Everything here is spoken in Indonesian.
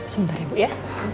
sebentar ya ibu ya